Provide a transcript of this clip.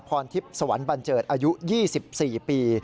พรทิพย์สวรรค์บันเจิดอายุ๒๔ปี